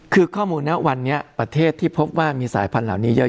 คือข้อมูลนะวันนี้ประเทศที่พบว่ามีสายพันธุ์เหล่านี้เยอะ